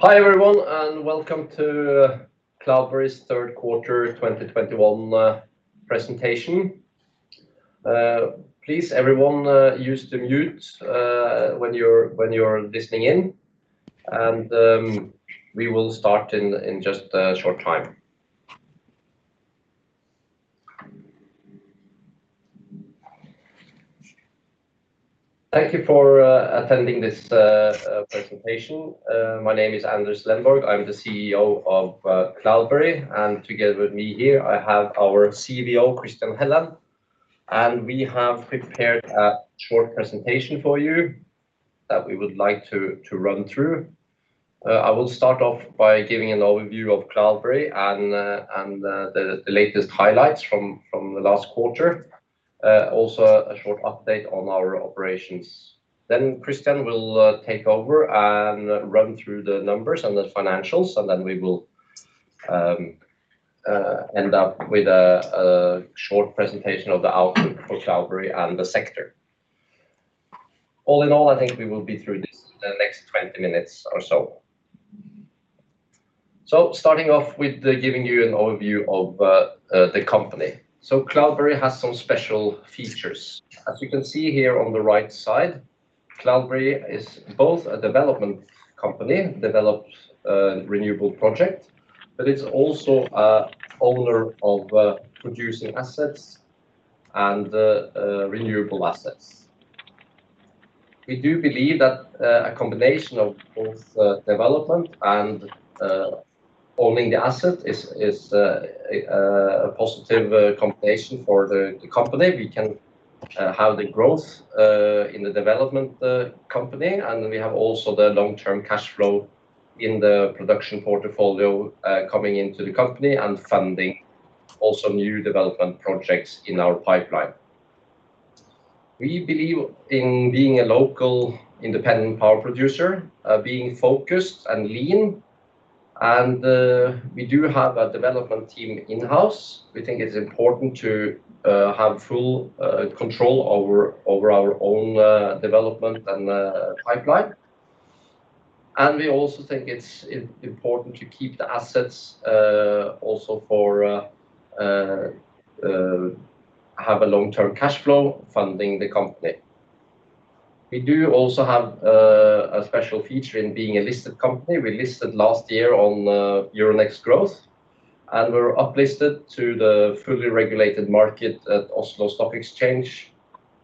Hi, everyone, and welcome to Cloudberry's third quarter 2021 presentation. Please, everyone, use the mute when you're listening in, and we will start in just a short time. Thank you for attending this presentation. My name is Anders Lenborg. I'm the CEO of Cloudberry, and together with me here I have our CVO, Christian Helland. We have prepared a short presentation for you that we would like to run through. I will start off by giving an overview of Cloudberry and the latest highlights from the last quarter. Also a short update on our operations. Christian will take over and run through the numbers and the financials, and then we will end up with a short presentation of the outlook for Cloudberry and the sector. All in all, I think we will be through this in the next 20 minutes or so. Starting off with giving you an overview of the company. Cloudberry has some special features. As you can see here on the right side, Cloudberry is both a development company, develops renewable project, but it's also a owner of producing assets and renewable assets. We do believe that a combination of both development and owning the asset is a positive combination for the company. We can have the growth in the development company, and we have also the long-term cash flow in the production portfolio coming into the company and funding also new development projects in our pipeline. We believe in being a local independent power producer, being focused and lean, and we do have a development team in-house. We think it's important to have full control over our own development and pipeline. We also think it's important to keep the assets also to have a long-term cash flow funding the company. We do also have a special feature in being a listed company. We listed last year on Euronext Growth, and we're uplisted to the fully regulated market at Oslo Stock Exchange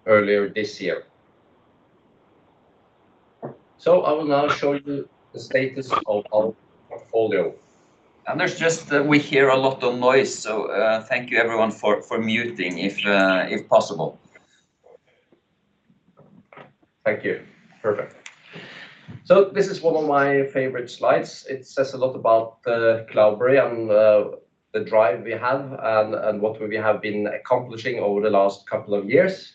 earlier this year. I will now show you the status of our portfolio. Anders, just that we hear a lot of noise, so thank you everyone for muting if possible. Thank you. Perfect. This is one of my favorite slides. It says a lot about Cloudberry and the drive we have and what we have been accomplishing over the last couple of years.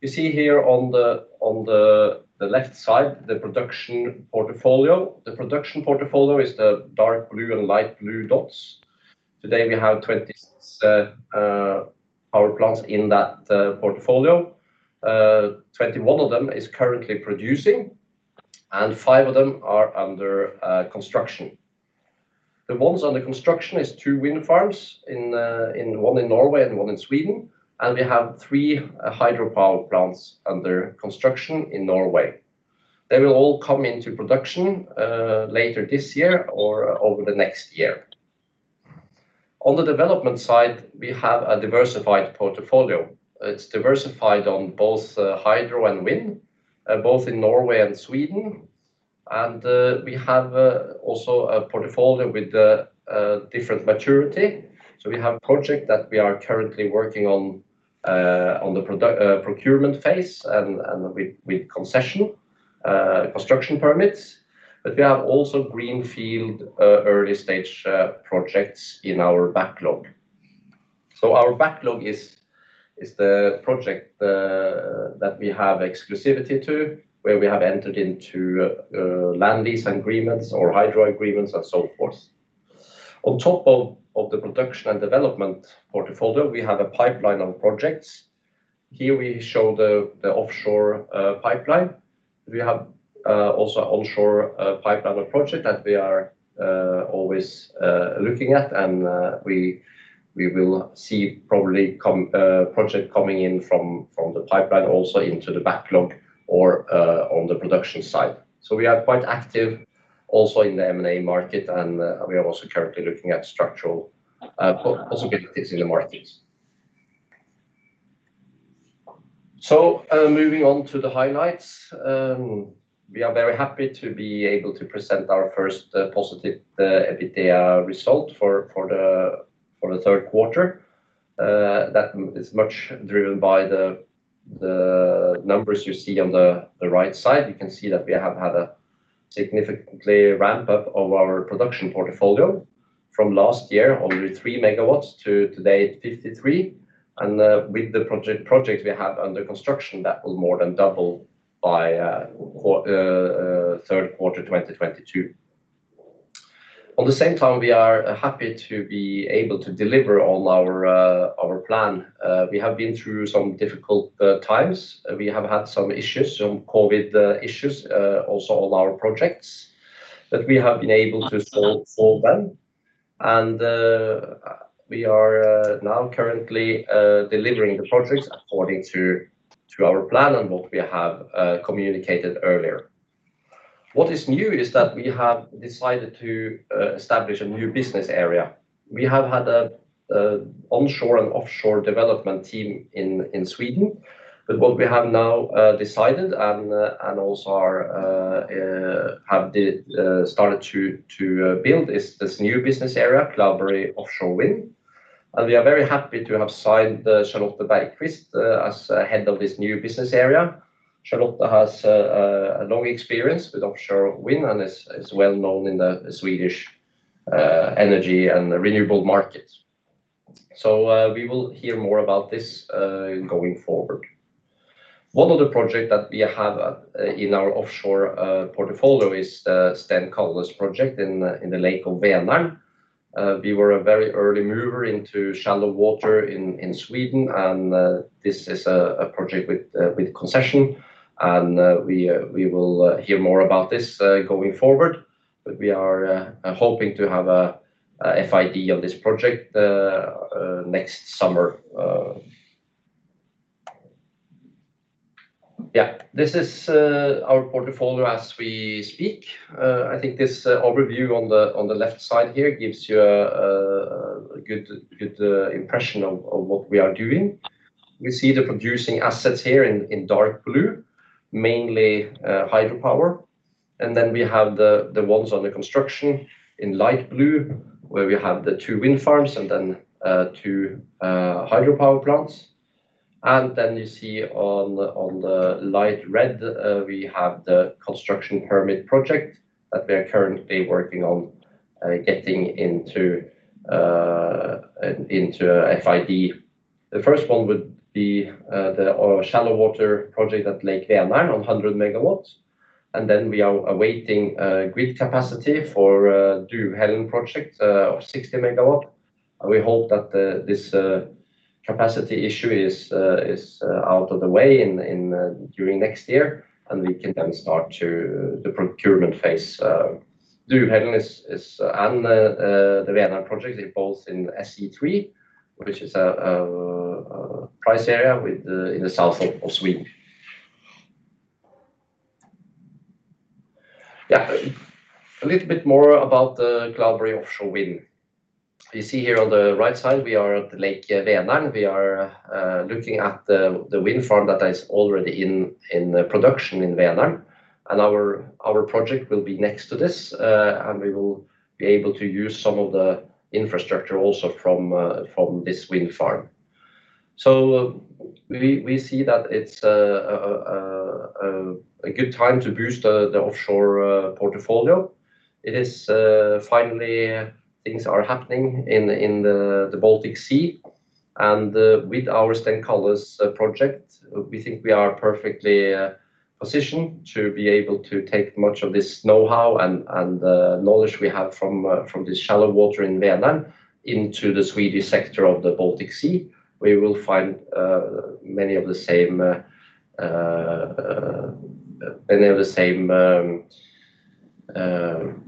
You see here on the left side, the production portfolio. The production portfolio is the dark blue and light blue dots. Today, we have 20 power plants in that portfolio. 21 of them is currently producing, and five of them are under construction. The ones under construction is two wind farms, one in Norway and one in Sweden, and we have three hydropower plants under construction in Norway. They will all come into production later this year or over the next year. On the development side, we have a diversified portfolio. It's diversified on both, hydro and wind, both in Norway and Sweden. We have also a portfolio with different maturity. We have project that we are currently working on the procurement phase, and with concession construction permits. We have also greenfield early stage projects in our backlog. Our backlog is the project that we have exclusivity to, where we have entered into land lease agreements or hydro agreements and so forth. On top of the production and development portfolio, we have a pipeline of projects. Here we show the offshore pipeline. We have also onshore pipeline of project that we are always looking at. We will see probably project coming in from the pipeline also into the backlog or on the production side. We are quite active also in the M&A market, and we are also currently looking at structural possibilities in the markets. Moving on to the highlights. We are very happy to be able to present our first positive EBITDA result for the third quarter. That is much driven by the numbers you see on the right side. You can see that we have had a significant ramp-up of our production portfolio. From last year, only 3 MW, to today, 53 MW. With the project we have under construction, that will more than double by third quarter 2022. At the same time, we are happy to be able to deliver all our plan. We have been through some difficult times. We have had some issues, some COVID issues also all our projects. We have been able to solve all them. We are now currently delivering the projects according to our plan and what we have communicated earlier. What is new is that we have decided to establish a new business area. We have had a onshore and offshore development team in Sweden, but what we have now decided and also have started to build is this new business area, Cloudberry Offshore Wind. We are very happy to have signed Charlotte Bergqvist as head of this new business area. Charlotte has a long experience with offshore wind and is well known in the Swedish energy and renewable markets. We will hear more about this going forward. One of the projects that we have in our offshore portfolio is the Stenkalles project in the lake of Vänern. We were a very early mover into shallow water in Sweden, and this is a project with concession. We will hear more about this going forward. We are hoping to have a FID on this project next summer. This is our portfolio as we speak. I think this overview on the left side here gives you a good impression of what we are doing. We see the producing assets here in dark blue, mainly hydropower. We have the ones under construction in light blue, where we have the two wind farms and then two hydropower plants. You see on the light red we have the construction permit project that we are currently working on getting into FID. The first one would be our shallow water project at Lake Vänern, 100 MW. We are awaiting grid capacity for the Duvheden project of 60 MW. We hope that this capacity issue is out of the way during next year, and we can then start to the procurement phase. Duvheden and the Vänern project, they're both in SE3, which is a price area in the south of Sweden. Yeah. A little bit more about the Cloudberry Offshore Wind. You see here on the right side, we are at the Lake Vänern. We are looking at the wind farm that is already in production in Vänern. Our project will be next to this, and we will be able to use some of the infrastructure also from this wind farm. We see that it's a good time to boost the offshore portfolio. It is finally things are happening in the Baltic Sea. With our Stenkalles project, we think we are perfectly positioned to be able to take much of this knowhow and knowledge we have from this shallow water in Vänern into the Swedish sector of the Baltic Sea. We will find many of the same-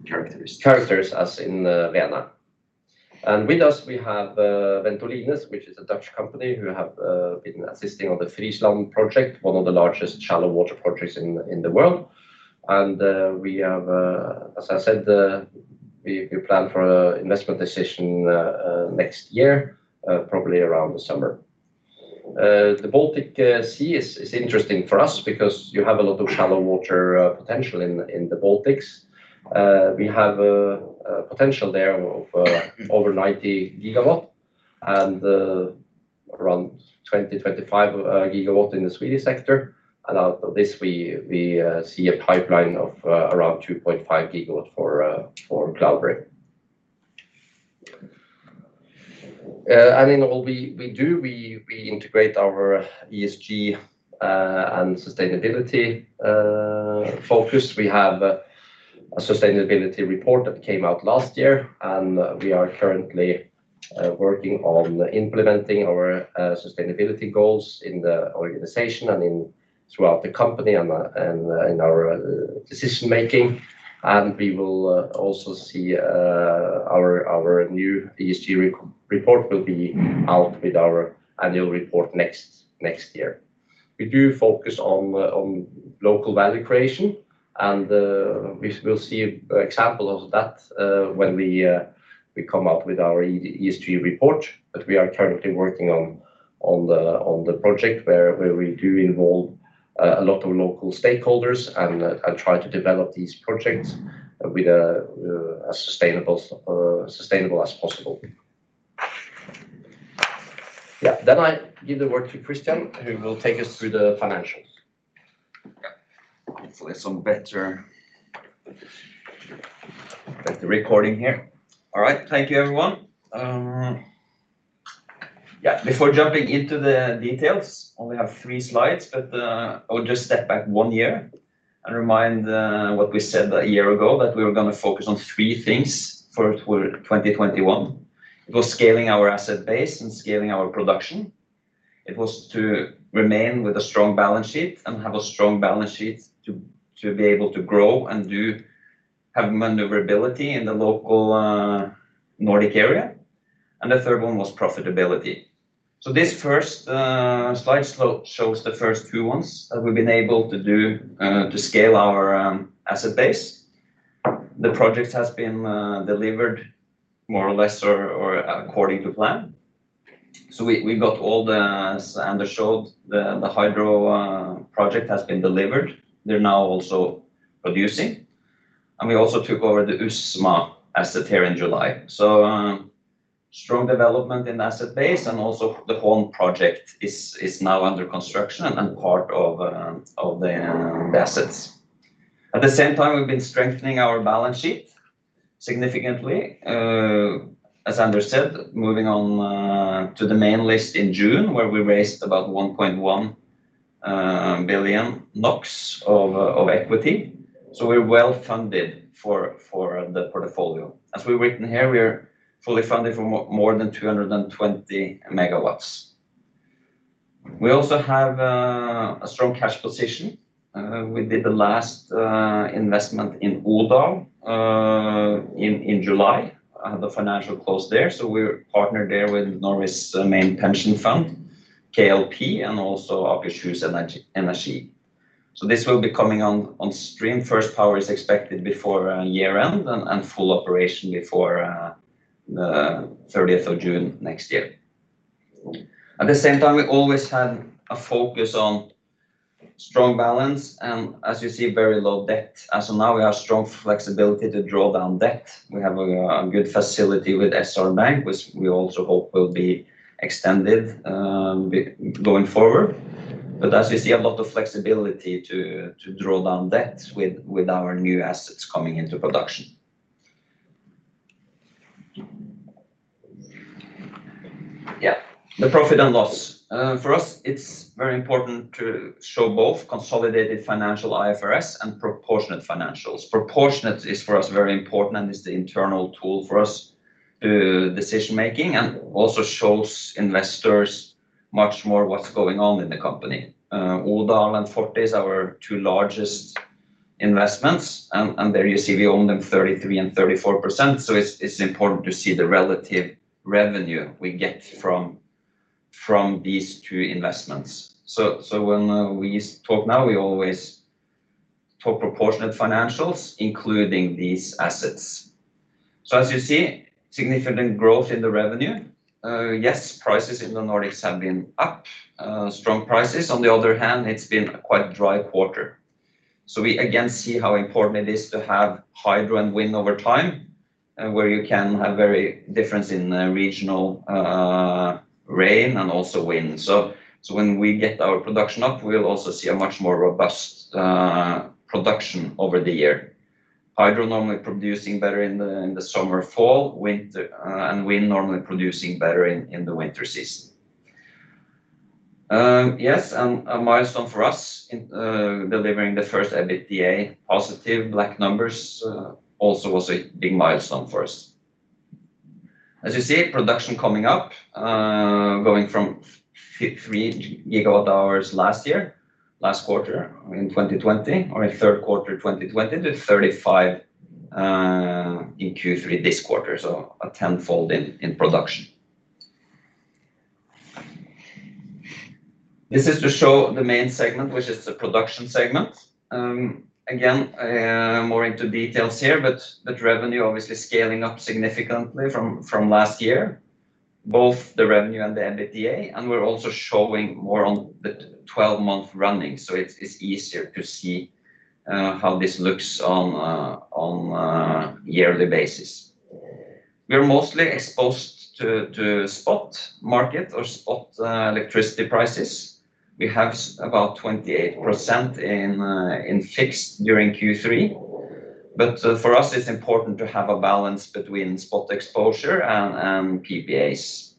Characteristics. -characters as in Vänern. With us, we have Ventolines, which is a Dutch company who have been assisting on the Fryslân project, one of the largest shallow water projects in the world. We have, as I said, we plan for an investment decision next year, probably around the summer. The Baltic Sea is interesting for us because you have a lot of shallow water potential in the Baltics. We have a potential there of over 90 GW and around 20-25 GW in the Swedish sector. Out of this, we see a pipeline of around 2.5 GW for Cloudberry. In all we do, we integrate our ESG and sustainability focus. We have a sustainability report that came out last year, and we are currently working on implementing our sustainability goals in the organization and throughout the company and in our decision-making. We will also see our new ESG report will be out with our annual report next year. We do focus on local value creation, and we will see example of that when we come out with our ESG report. We are currently working on the project where we do involve a lot of local stakeholders and try to develop these projects as sustainable as possible. I give the word to Christian, who will take us through the financials. Thank you, everyone. Before jumping into the details, I only have three slides, but I will just step back one year and remind what we said a year ago that we were gonna focus on three things for 2021. It was scaling our asset base and scaling our production. It was to remain with a strong balance sheet to be able to grow and have maneuverability in the local Nordic area. The third one was profitability. This first slide shows the first two ones that we've been able to do to scale our asset base. The project has been delivered more or less according to plan. We got all the, as Anders showed, the hydro project has been delivered. They're now also producing. We also took over the Usma asset here in July. Strong development in asset base and also the Odal project is now under construction and part of the assets. At the same time, we've been strengthening our balance sheet significantly. As Anders said, moving on to the main list in June, where we raised about 1.1 billion NOK of equity. We're well-funded for the portfolio. As we've written here, we are fully funded for more than 220 MW. We also have a strong cash position. We did the last investment in Odal in July, the financial close there. We're partnered there with Norway's main pension fund, KLP and also Akershus Energi. This will be coming on stream. First power is expected before year-end and full operation before the 30th of June next year. At the same time, we always had a focus on strong balance, and as you see, very low debt. As of now, we have strong flexibility to draw down debt. We have a good facility with SR-Bank, which we also hope will be extended going forward. As you see, a lot of flexibility to draw down debt with our new assets coming into production. The profit and loss. For us, it's very important to show both consolidated financial IFRS and proportionate financials. Proportionate is for us very important and is the internal tool for us decision-making and also shows investors much more what's going on in the company. Odal and Forte are our two largest investments. There you see we own them 33% and 34%, so it's important to see the relative revenue we get from these two investments. When we talk now, we always talk proportionate financials, including these assets. As you see, significant growth in the revenue. Yes, prices in the Nordics have been up strong prices. On the other hand, it's been a quite dry quarter. We again see how important it is to have hydro and wind over time, where you can have very difference in regional rain and also wind. When we get our production up, we'll also see a much more robust production over the year. Hydro normally producing better in the summer, fall, winter, and wind normally producing better in the winter season. Yes, and a milestone for us in delivering the first EBITDA positive black numbers also was a big milestone for us. As you see, production coming up, going from 3 GWh last quarter in 2020, or in Q3 2020, to 35 GWh in Q3 this quarter. A tenfold in production. This is to show the main segment, which is the production segment. Again, more into details here, but revenue obviously scaling up significantly from last year, both the revenue and the EBITDA, and we're also showing more on the 12-month running. It's easier to see how this looks on a yearly basis. We're mostly exposed to spot market or spot electricity prices. We have about 28% in fixed during Q3. For us, it's important to have a balance between spot exposure and PPAs.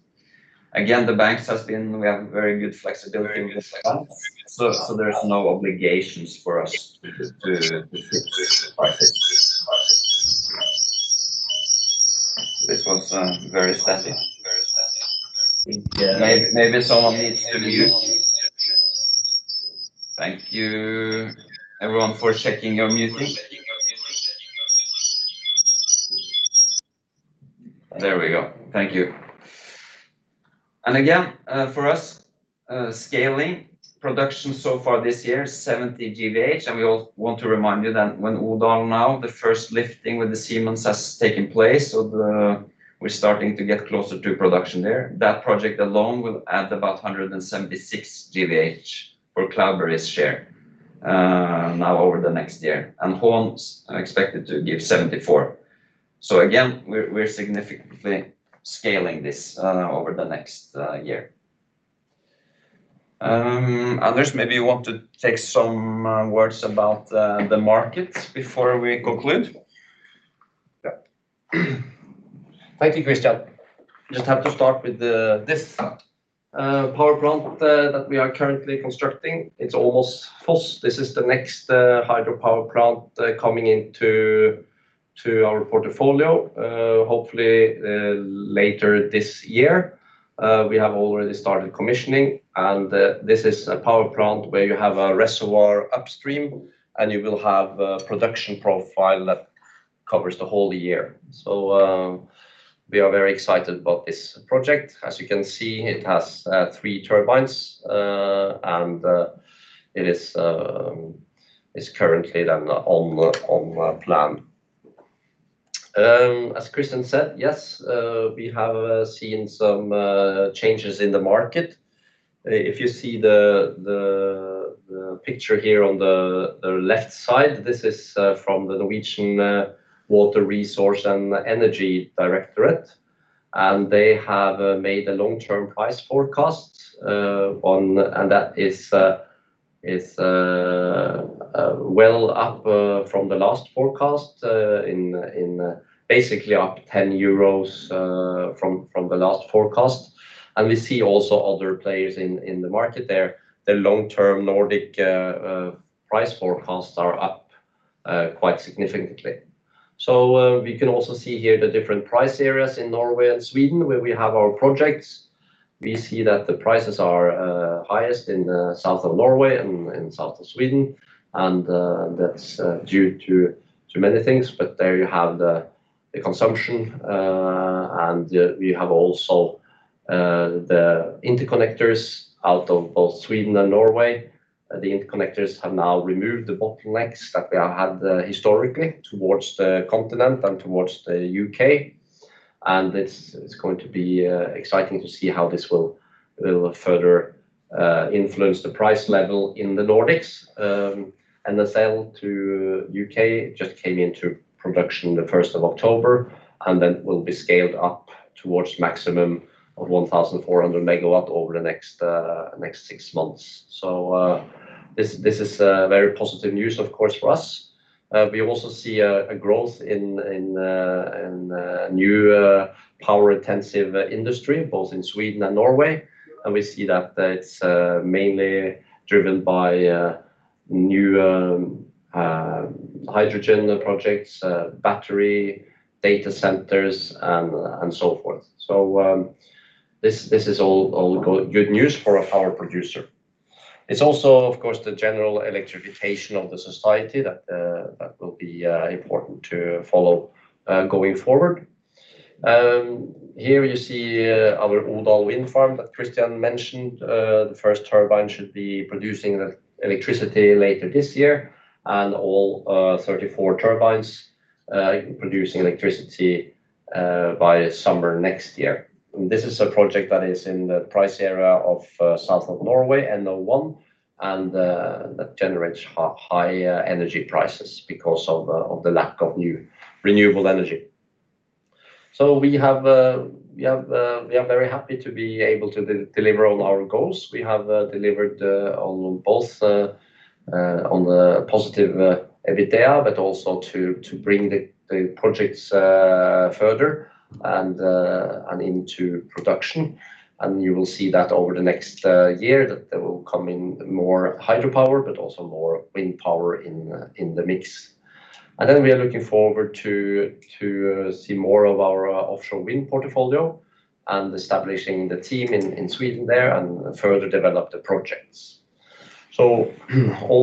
Again, the banks has been. We have very good flexibility with them, so there's no obligations for us to fix prices. This one's very static. Yeah. Maybe someone needs to mute. Thank you everyone for checking your muting. There we go. Thank you. Again, for us scaling production so far this year, 70 GWh, and we all want to remind you that when Odal now, the first lifting with the Siemens has taken place. We're starting to get closer to production there. That project alone will add about 176 GWh for Cloudberry's share now over the next year, and Horn's expected to give 74 GWh. Again, we're significantly scaling this over the next year. Others maybe you want to take some words about the market before we conclude. Thank you, Christian. Just have to start with this power plant that we are currently constructing. It's almost full. This is the next hydropower plant coming into our portfolio, hopefully later this year. We have already started commissioning, and this is a power plant where you have a reservoir upstream, and you will have a production profile that covers the whole year. We are very excited about this project. As you can see, it has three turbines, and it is currently on plan. As Christian said, yes, we have seen some changes in the market. If you see the picture here on the left side, this is from the Norwegian Water Resources and Energy Directorate, and they have made a long-term price forecast. That is well up from the last forecast, basically up 10 euros from the last forecast. We see also other players in the market there. The long-term Nordic price forecasts are up quite significantly. We can also see here the different price areas in Norway and Sweden where we have our projects. We see that the prices are highest in the south of Norway and south of Sweden, and that's due to many things. There you have the consumption, and we have also the interconnectors out of both Sweden and Norway. The interconnectors have now removed the bottlenecks that we have had historically towards the continent and towards the U.K. It's going to be exciting to see how this will further influence the price level in the Nordics. The cable to the U.K. just came into production the first of October, and then will be scaled up towards maximum of 1,400 MW over the next six months. This is very positive news of course for us. We also see a growth in new power-intensive industry, both in Sweden and Norway. We see that it's mainly driven by new hydrogen projects, battery, data centers, and so forth. This is all good news for a power producer. It's also, of course, the general electrification of the society that will be important to follow going forward. Here you see our Odal wind farm that Christian mentioned. The first turbine should be producing the electricity later this year, and all 34 turbines producing electricity by summer next year. This is a project that is in the price area of south of Norway, NO1, and that generates higher energy prices because of the lack of new renewable energy. We are very happy to be able to deliver on our goals. We have delivered on both on the positive EBITDA, but also to bring the projects further and into production. You will see that over the next year, that there will come in more hydropower, but also more wind power in the mix. We are looking forward to see more of our offshore wind portfolio and establishing the team in Sweden there and further develop the projects. All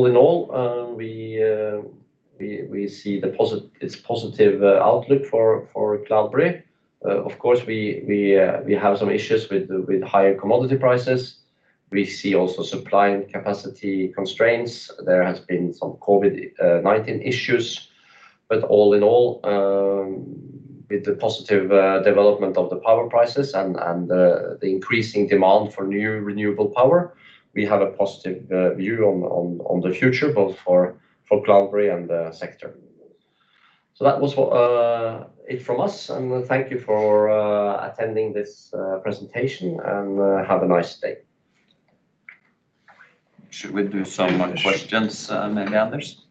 in all, we see it's positive outlook for Cloudberry. Of course, we have some issues with higher commodity prices. We see also supply and capacity constraints. There has been some COVID-19 issues. All in all, with the positive development of the power prices and the increasing demand for new renewable power, we have a positive view on the future, both for Cloudberry and the sector. That was it from us, and thank you for attending this presentation, and have a nice day. Should we do some questions, maybe others?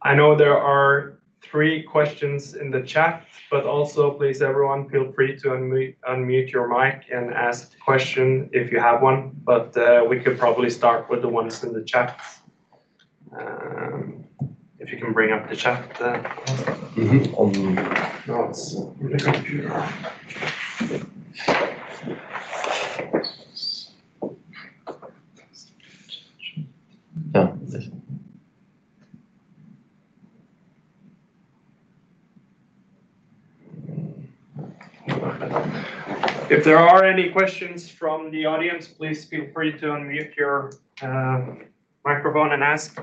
I know there are three questions in the chat, but also please everyone feel free to unmute your mic and ask the question if you have one. We could probably start with the ones in the chat. If you can bring up the chat. Mm-hmm. If there are any questions from the audience, please feel free to unmute your microphone and ask.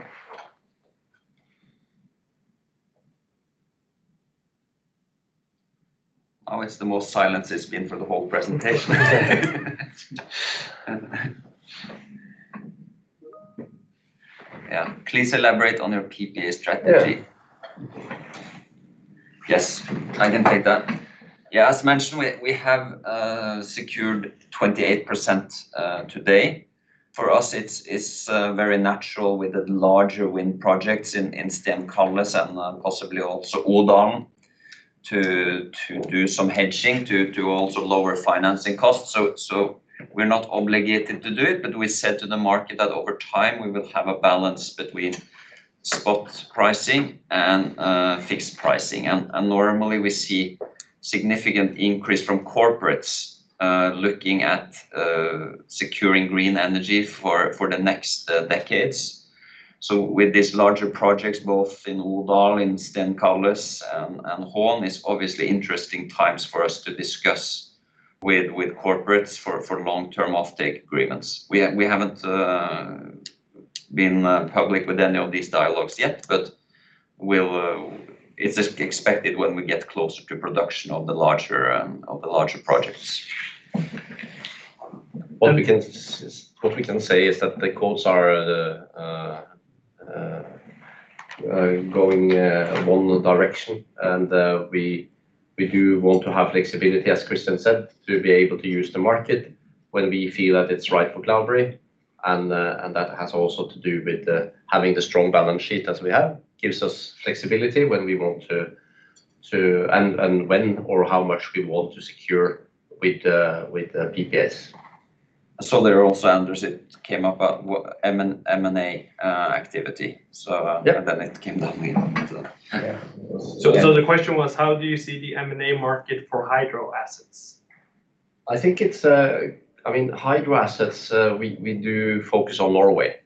Oh, it's the most silence it's been for the whole presentation. Yeah. Please elaborate on your PPA strategy. Yeah. Yes, I can take that. Yeah, as mentioned, we have secured 28% today. For us, it's very natural with the larger wind projects in Stenungslid and possibly also Odal to do some hedging to also lower financing costs. We're not obligated to do it, but we said to the market that over time we will have a balance between spot pricing and fixed pricing. Normally we see significant increase from corporates looking at securing green energy for the next decades. With these larger projects both in Odal, in Stenungslid, and Horn, it's obviously interesting times for us to discuss with corporates for long-term offtake agreements. We haven't been public with any of these dialogues yet, but we'll- it's just expected when we get closer to production of the larger projects. What we can say is that the quotes are going one direction. We do want to have flexibility, as Christian said, to be able to use the market when we feel that it's right for Cloudberry. That has also to do with having the strong balance sheet as we have. Gives us flexibility when we want to and when or how much we want to secure with PPAs. I saw there also, Anders, it came up, M&A activity. Yeah. It came down again. Yeah. The question was, how do you see the M&A market for hydro assets? I think it's. I mean, hydro assets, we do focus on Norway.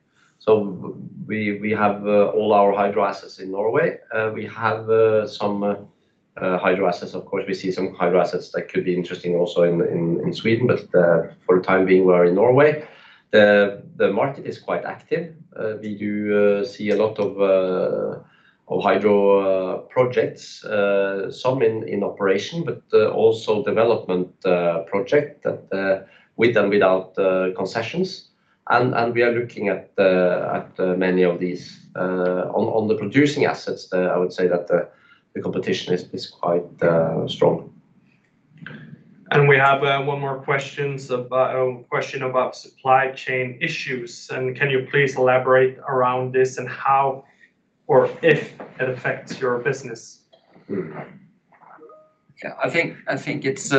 We have all our hydro assets in Norway. We have some hydro assets, of course, we see some hydro assets that could be interesting also in Sweden, but for the time being we are in Norway. The market is quite active. We do see a lot of hydro projects, some in operation, but also development projects that with and without concessions. We are looking at many of these. On the producing assets, I would say that the competition is quite strong. We have one more question about supply chain issues, and can you please elaborate around this and how or if it affects your business? I think it's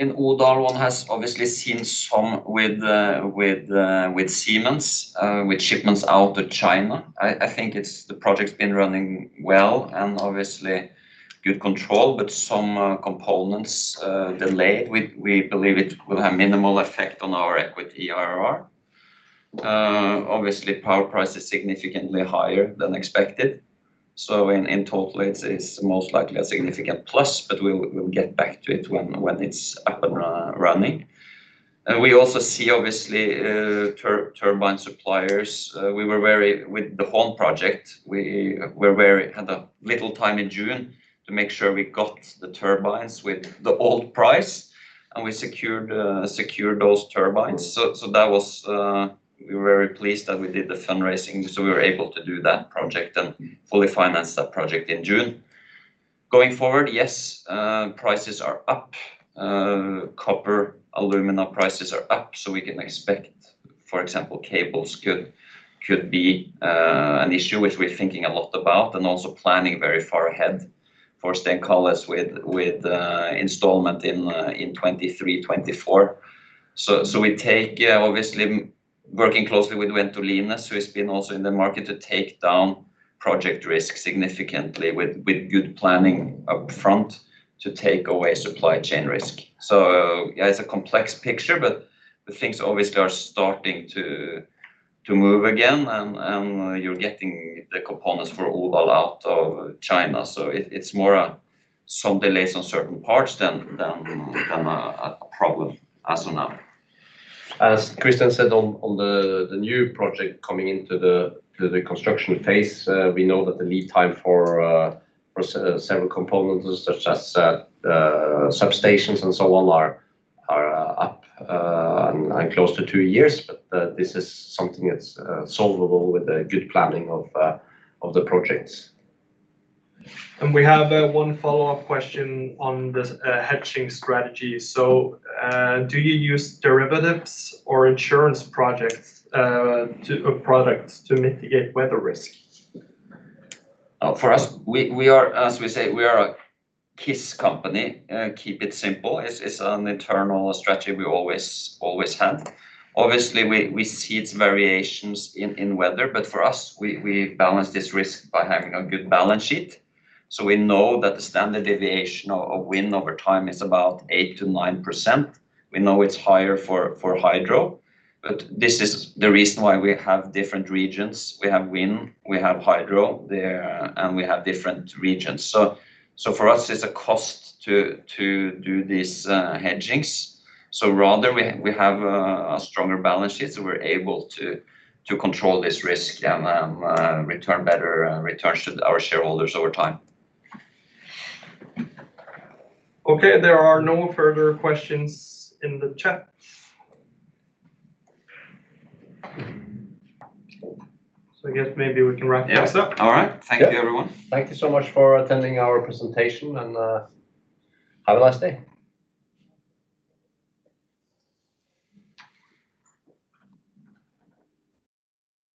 in Odal, one has obviously seen some with Siemens with shipments out to China. I think it's the project's been running well and obviously good control, but some components delayed. We believe it will have minimal effect on our equity IRR. Obviously power price is significantly higher than expected, so in total it's most likely a significant plus, but we'll get back to it when it's up and running. We also see obviously turbine suppliers. We were very. With the Horn project, we were very had a little time in June to make sure we got the turbines with the old price, and we secured those turbines. So that was, we were very pleased that we did the fundraising, so we were able to do that project and fully finance that project in June. Going forward, prices are up. Copper, aluminum prices are up, so we can expect, for example, cables could be an issue, which we're thinking a lot about and also planning very far ahead for Stenkalles with installation in 2023, 2024. We take, obviously working closely with Ventolines, so it's been also in the market to take down project risk significantly with good planning up front to take away supply chain risk. Yeah, it's a complex picture, but things are starting to move again and you're getting the components for Odal out of China. It's more some delays on certain parts than a problem as of now. As Christian said on the new project coming into the construction phase, we know that the lead time for several components such as substations and so on are up and close to two years. This is something that's solvable with a good planning of the projects. We have one follow-up question on the hedging strategy. Do you use derivatives or insurance products to mitigate weather risk? For us, we are, as we say, a KISS company, keep it simple. It's an internal strategy we always have. Obviously we see its variations in weather, but for us, we balance this risk by having a good balance sheet. We know that the standard deviation of wind over time is about 8%-9%. We know it's higher for hydro, but this is the reason why we have different regions. We have wind, we have hydro there, and we have different regions. For us it's a cost to do these hedgings. Rather we have a stronger balance sheet, so we're able to control this risk and return better returns to our shareholders over time. Okay, there are no further questions in the chat. I guess maybe we can wrap this up. Yeah. All right. Yeah. Thank you everyone. Thank you so much for attending our presentation, and have a nice day.